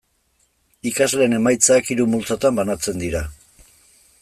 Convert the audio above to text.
Ikasleen emaitzak hiru multzotan banatzen dira.